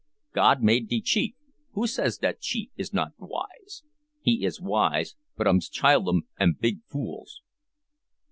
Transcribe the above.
God made de chief who says dat chief is not wise? He is wise, but um's child'n am big fools!"